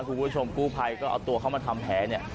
คุณผู้ชมกู้ภัยก็เอาตัวเข้ามาทำแผลเนี่ย